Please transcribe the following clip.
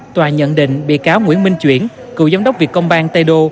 tòa nhận định bị cáo nguyễn minh chuyển cựu giám đốc việt công banh tây đô